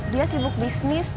dia sibuk bisnis